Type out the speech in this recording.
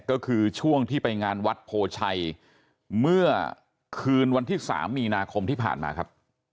ก็คือช่วงที่ไปงานวัดโพชัยเมื่อคืนวันที่๓มีนาคมที่ผ่านมาครับ